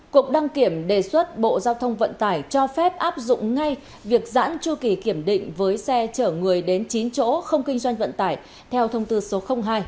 cục đăng kiểm đề xuất bộ giao thông vận tải cho phép áp dụng ngay việc giãn chu kỳ kiểm định với xe chở người đến chín chỗ không kinh doanh vận tải theo thông tư số hai